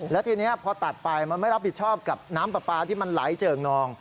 แล้วทีนี้พอตัดไปมันไม่รับผิดชอบกับน้ำปลาปลาที่มันไหลเจิ่งนอง